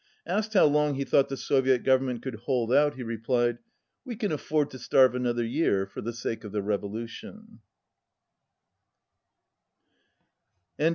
Asked how long he thought the Soviet Government could hold out, he replied, "We can afford to starve another year for the sake of the Revolution."